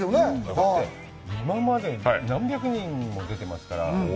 だって、今まで何百人も出てますから。